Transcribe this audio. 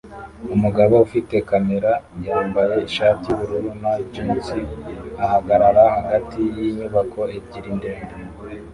Umugabo ufite kamera yambaye ishati yubururu na jans ahagarara hagati yinyubako ebyiri ndende